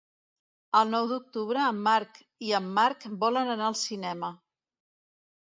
El nou d'octubre en Marc i en Marc volen anar al cinema.